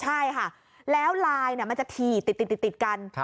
ใช่ค่ะแล้วลายมันจะถี่ติดกัน